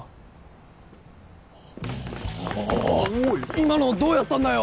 今のどうやったんだよ！？